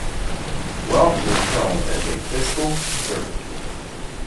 Roth was known as a fiscal conservative.